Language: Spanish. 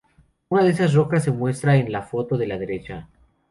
Una de esas rocas se muestra en la foto de la derecha.